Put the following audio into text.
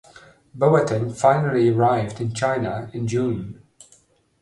Boateng finally arrived in China in June.